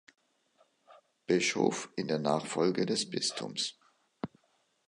Bischof in der Nachfolge des Bistums.